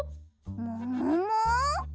ももも？